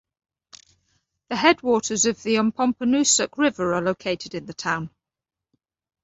The headwaters of the Ompompanoosuc River are located in the town.